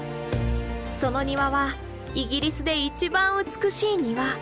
その庭はイギリスで一番美しい庭。